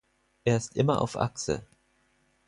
Er ist immer auf Achse.